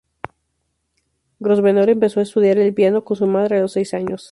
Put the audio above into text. Grosvenor empezó a estudiar el piano con su madre a los seis años.